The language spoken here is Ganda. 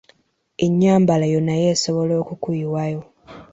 Ennyambala yo nayo esobola okukuyiwayo.